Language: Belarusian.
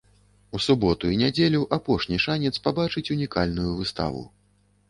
У суботу і нядзелю апошні шанец пабачыць унікальную выставу.